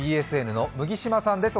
ＢＳＮの麦島さんです。